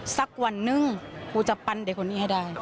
สักวันนึงกูจะปั้นเด็กคนนี้ให้ได้